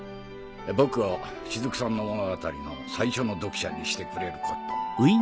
僕を雫さんの物語の最初の読者にしてくれること。